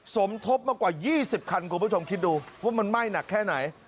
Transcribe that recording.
สมทบมากว่า๒๐คันคุณผู้ชมคิดดูว่ามันไหม้หนักแค่ไหน